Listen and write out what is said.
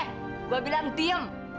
eh gue bilang diam